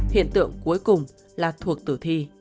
hiện tượng cuối cùng là thuộc tử thi